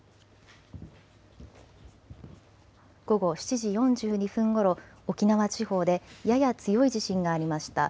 午後７時４２分ごろ、沖縄地方でやや強い地震がありました。